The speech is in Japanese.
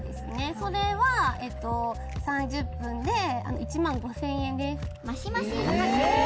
それは３０分で１万５０００円です。え！